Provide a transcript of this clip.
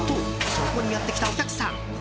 そこにやってきたお客さん。